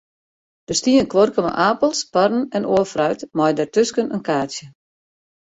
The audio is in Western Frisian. Der stie in kuorke mei apels, parren en oar fruit, mei dêrtusken in kaartsje.